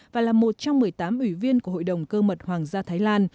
và là một trong một mươi tám ủy viên của hội đồng cơ mật hoàng gia thái lan